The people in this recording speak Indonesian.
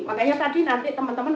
makanya tadi nanti teman teman